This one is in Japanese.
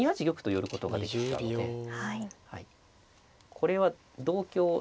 これは同香。